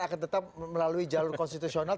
dan akan tetap melalui jalur konstitusional